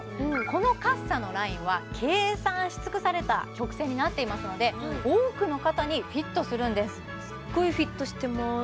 このカッサのラインは計算し尽くされた曲線になっていますので多くの方にフィットするんですすっごいフィットしてます